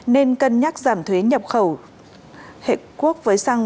nên cân nhắc giảm thuế nhập khẩu hệ quốc với xăng